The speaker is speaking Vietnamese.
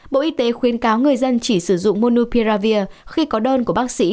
bộ y tế khuyên cáo người dân chỉ sử dụng monopiravir khi có đơn của bác sĩ